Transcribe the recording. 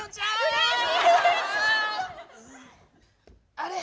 あれ？